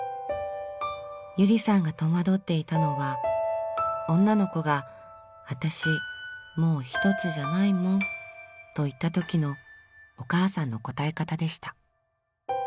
ゆりさんが戸惑っていたのは女の子が「あたしもうひとつじゃないもん」と言ったときのお母さんの答え方でした。